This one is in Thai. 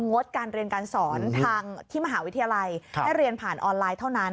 งดการเรียนการสอนทางที่มหาวิทยาลัยให้เรียนผ่านออนไลน์เท่านั้น